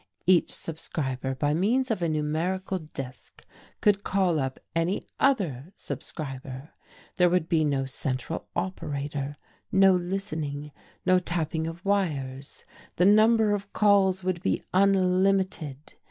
Each subscriber, by means of a numerical disk, could call up any other, subscriber; there would be no central operator, no listening, no tapping of wires; the number of calls would be unlimited.